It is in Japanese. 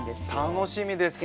楽しみです！